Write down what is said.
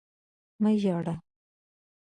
مه ژاړه!